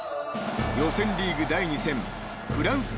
［予選リーグ第２戦］